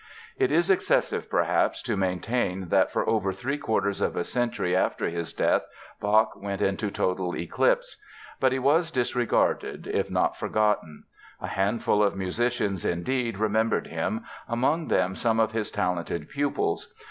It is excessive, perhaps, to maintain that for over three quarters of a century after his death Bach went into total eclipse. But he was disregarded if not forgotten. A handful of musicians, indeed, remembered him, among them some of his talented pupils.